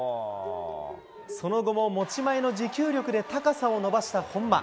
その後も持ち前の持久力で高さを伸ばした本間。